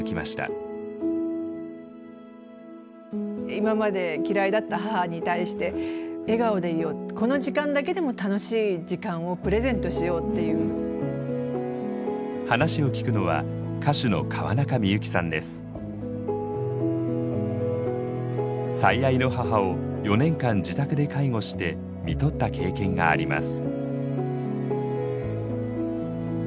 今まで嫌いだった母に対して話を聞くのは最愛の母を４年間自宅で介護してみとった経験があります。